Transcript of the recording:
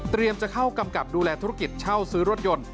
จะเข้ากำกับดูแลธุรกิจเช่าซื้อรถยนต์